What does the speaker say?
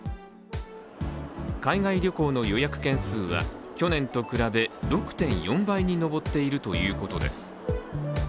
海外旅行の予約件数は去年と比べ６．４倍に上っているということです。